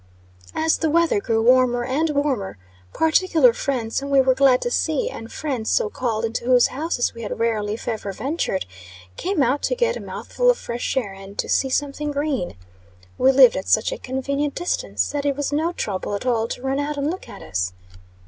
As the weather grew warmer and warmer, particular friends whom we were glad to see, and friends, so called, into whose houses we had rarely, if ever ventured, came out to get a "mouthful of fresh air," and to "see something green." We lived at "such a convenient distance," that it was no trouble at all to run out and look at us.